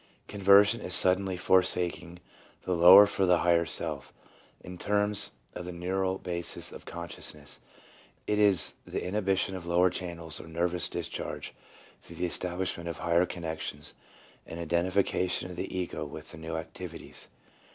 3 " Conversion is suddenly forsaking the lower for the higher self. In terms of the neural basis of consciousness, it is the inhibition of lower channels of nervous discharge through the establishment of higher connections and identification of the ego with the new activities.